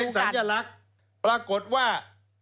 สัญลักษณ์ปรากฏว่า